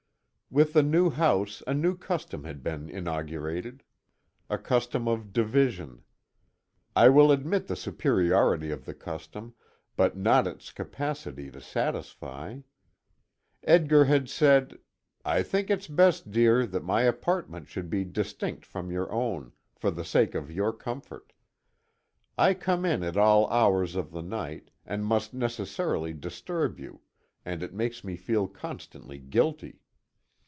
With the new house, a new custom had been inaugurated. A custom of division. I will admit the superiority of the custom, but not its capacity to satisfy. Edgar had said: "I think it best, dear, that my apartment should be distinct from your own, for the sake of your comfort. I come in at all hours of the night, and must necessarily disturb you, and it makes me feel constantly guilty."